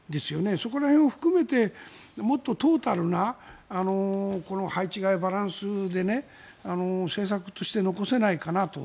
そこら辺を含めてもっとトータルな配置換え、バランスで政策として残せないかなと。